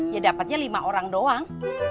ya dapatnya lima orang doang